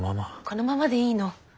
このままでいいの。